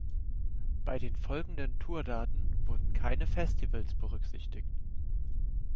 Bei den folgenden Tourdaten wurden keine Festivals berücksichtigt.